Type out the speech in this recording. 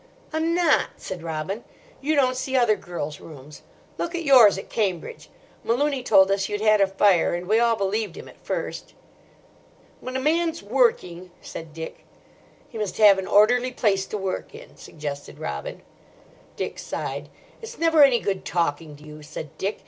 "I'm not," said Robin; "you don't see other girls' rooms. Look at yours at Cambridge. Malooney told us you'd had a fire, and we all believed him at first." "When a man's working—" said Dick. "He must have an orderly place to work in," suggested Robin. Dick sighed. "It's never any good talking to you," said Dick.